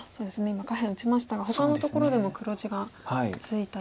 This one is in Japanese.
今下辺打ちましたがほかのところでも黒地がついたりしそうですよね。